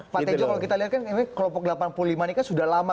pak tejo kalau kita lihat kan ini kelompok delapan puluh lima ini kan sudah lama